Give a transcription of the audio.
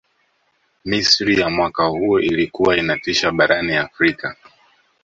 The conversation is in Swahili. misri ya mwaka huo ilikuwa inatisha barani afrika